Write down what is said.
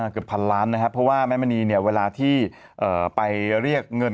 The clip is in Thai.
เกือบพันล้านนะครับเพราะว่าแม่มณีเนี่ยเวลาที่ไปเรียกเงิน